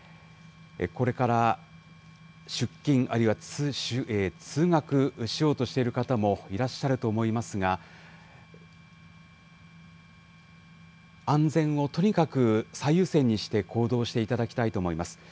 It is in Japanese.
これから出勤、あるいは通学しようとしている方もいらっしゃると思いますが、安全をとにかく最優先にして行動していただきたいと思います。